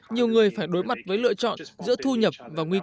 nhiều người phải đối mặt với lựa chọn giữa thu nhập